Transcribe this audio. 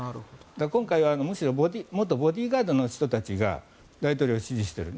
今回はむしろ元ボディーガードの人たちが大統領を支持している。